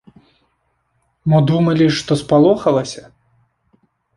Мо думалі, што спалохалася?